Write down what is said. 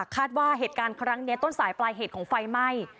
คาดว่าเหตุการณ์ครั้งนี้ต้นสายปลายเหตุของไฟไหม้